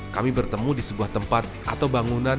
kami bertemu di sebuah tempat atau bangunan